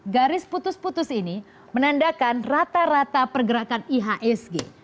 garis putus putus ini menandakan rata rata pergerakan ihsg